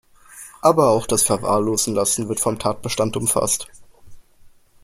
Aber auch das Verwahrlosen lassen wird vom Tatbestand umfasst.